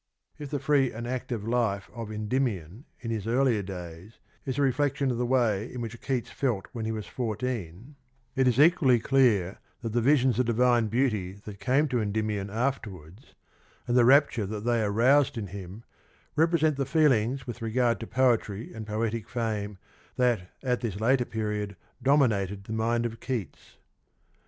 "^ If the free and active life of Endymion in his earlier days is a reflection of the way in which Keats felt when he was fourteen, it is equally clear that the visions of divine beauty that came to Endymion after wards, and the rapture that they aroused in him, represent the feelings with regard to poetry and poetic fame that at this later period dominated the mind of Keats.